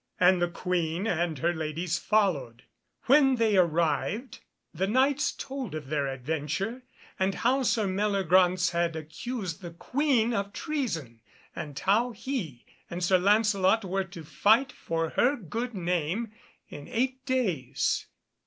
And the Queen and her ladies followed. When they arrived the Knights told of their adventure, and how Sir Meliagraunce had accused the Queen of treason, and how he and Sir Lancelot were to fight for her good name in eight days.